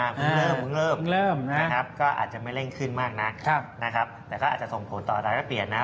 มึงเริ่มนะครับก็อาจจะไม่เร่งขึ้นมากนะครับแต่ก็อาจจะส่งผลต่อได้และเปลี่ยนนะครับ